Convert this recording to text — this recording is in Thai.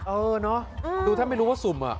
เออเนอะดูถ้าไม่รู้ว่าสุ่มอ่ะ